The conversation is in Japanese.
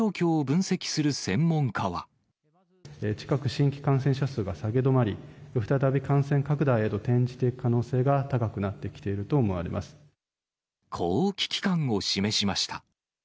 ただ、近く、新規感染者数が下げ止まり、再び感染拡大へと転じていく可能性が高くなってきていると思われこう危機感を示しました。